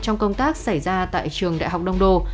trong công tác xảy ra tại trường đại học đông đô